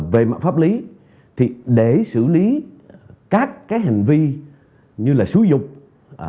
về mạng pháp lý thì để xử lý các cái hành vi như là sử dụng rượu bia